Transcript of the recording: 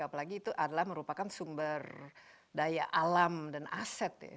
apalagi itu adalah merupakan sumber daya alam dan aset ya